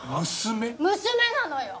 娘なのよ！